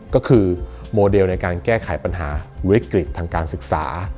ก็คือโมเดลในการแก้ไขปัญหาวิกฤตทางการศึกษา